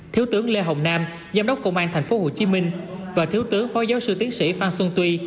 thiếu tướng lê hồng nam giám đốc công an tp hcm và thiếu tướng phó giáo sư tiến sĩ phan xuân tuy